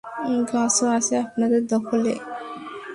গাছও আছে আপনাদের দখলে?